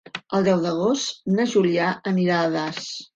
El deu d'agost na Júlia anirà a Das.